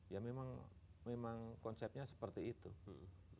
ya memang konsepnya seperti itu